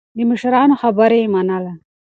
د مشرانو خبره يې منله.